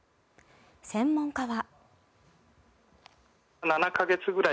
専門家は。